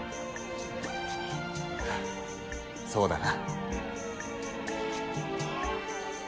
そうだな。